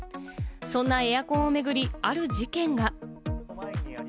そんなエアコンを巡り、ある事件が。